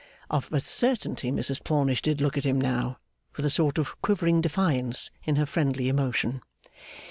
Of a certainty Mrs Plornish did look at him now, with a sort of quivering defiance in her friendly emotion.